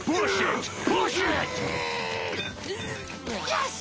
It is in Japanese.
よし！